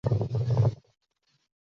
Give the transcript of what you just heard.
螣蛇增九被认为是一颗变星。